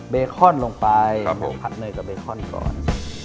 เบคอนลงไปผมผัดเนยกับเบคอนก่อน